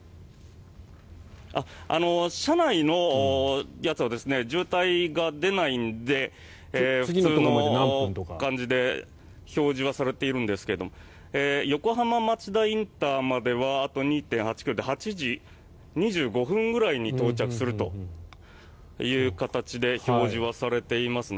車内のやつは渋滞が出ないので普通の感じで表示はされているんですが横浜町田ＩＣまではあと２．８ｋｍで８時２５分ぐらいに到着するという形で表示はされていますね。